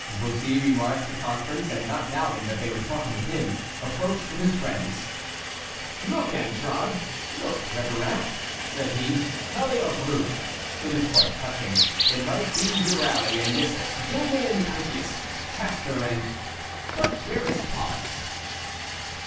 Bussy remarked the conference, and, not doubting that they were talking of him, approached, with his friends. "Look, Antragues, look, Ribeirac," said he, "how they are grouped; it is quite touching; it might be Euryale and Nisus, Damon and Pythias, Castor and . But where is Pollux?"